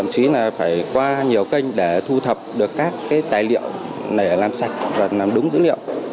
chí là phải qua nhiều kênh để thu thập được các tài liệu để làm sạch và làm đúng dữ liệu